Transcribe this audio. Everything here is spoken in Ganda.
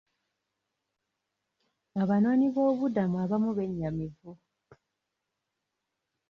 Abanoonyiboobubudamu abamu bennyamivu.